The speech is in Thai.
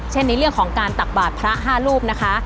ในเรื่องของการตักบาทพระ๕รูปนะคะ